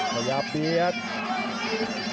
พยายามเปียก